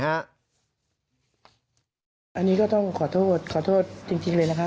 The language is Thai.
อันนี้ก็ต้องขอโทษขอโทษจริงเลยนะคะ